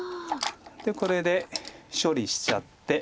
でこれで処理しちゃって。